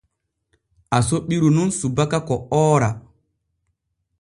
Aso ɓiru nun subaka ko oora.